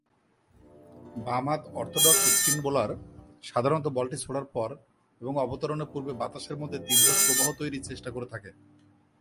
বাম-হাত orthodox spin bowler সাধারণত বলটি ছোড়ার পর এবং অবতরণের পূর্বে বাতাসের মধ্যে তীর্যক প্রবাহ তৈরীর চেষ্টা করে থাকে।